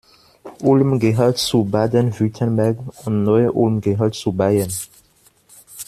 Ulm gehört zu Baden-Württemberg und Neu-Ulm gehört zu Bayern.